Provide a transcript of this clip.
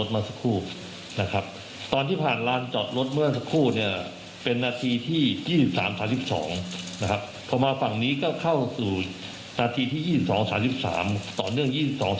วินาทีที่๒๒๓๓ต่อเนื่อง๒๒๓๔